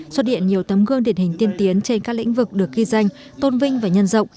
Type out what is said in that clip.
xuất hiện nhiều tấm gương điển hình tiên tiến trên các lĩnh vực được ghi danh tôn vinh và nhân rộng